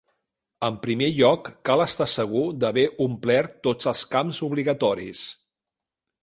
En primer lloc, cal estar segur d'haver omplert tots els camps obligatoris.